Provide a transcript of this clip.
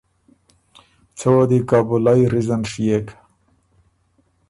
څۀ وه دی کابُلئ ریزن ڒيېک